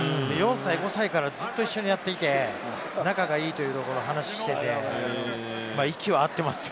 ４歳５歳からずっと一緒にやっていて、仲がいいというところを話していました。